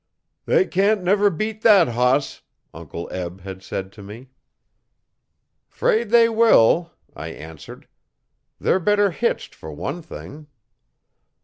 'They can't never beat thet hoss,' Uncle Eb had said to me. ''Fraid they will,' I answered. 'They're better hitched for one thing.'